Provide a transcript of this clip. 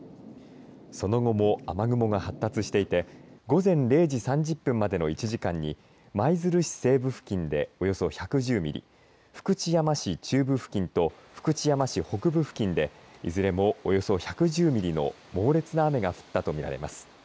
その後も雨雲が発達していて午前０時３０分までの１時間に舞鶴市西部付近でおよそ１１０ミリ、福知山市中部付近と福知山市北部付近でいずれもおよそ１１０ミリの猛烈な雨が降ったと見られます。